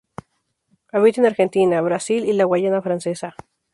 Habita en Argentina, Brasil y la Guayana Francesa.